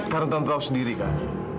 karena tante tahu sendiri kak